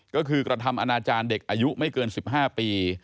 ก็คือกระทำอนาจารย์เด็กอายุไม่เกิน๑๕ปี